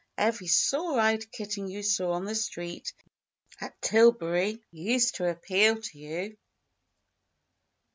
Every sore eyed kitten you saw on the street at Tillbury used to appeal to you."